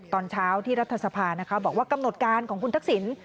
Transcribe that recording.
ตอนเช้าที่รัฐสภานะคะบอกว่ากำหนดการของคุณทักษิณ